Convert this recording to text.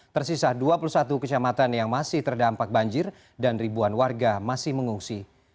tersisa dua puluh satu kecamatan yang masih terdampak banjir dan ribuan warga masih mengungsi